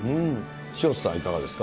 潮田さん、いかがですか。